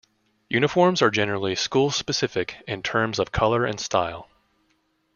Uniforms are generally school-specific in terms of colour and style.